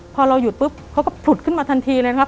พอเราหยุดปุ๊บเขาก็ผลุดขึ้นมาทันทีเลยนะครับ